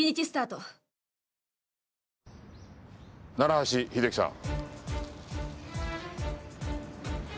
橋秀樹さん。